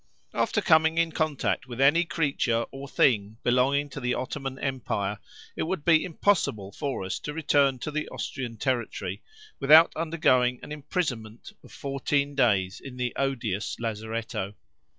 After coming in contact with any creature or thing belonging to the Ottoman Empire it would be impossible for us to return to the Austrian territory without undergoing an imprisonment of fourteen days in the odious lazaretto.